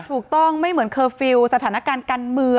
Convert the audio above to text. ถูกต้องไม่เหมือนเคอร์ฟิลล์สถานการณ์กันเมือง